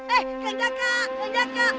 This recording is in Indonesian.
eh kerja kak kerja kak